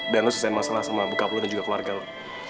dan lo selesaikan masalah sama bokap lo dan juga keluarga lo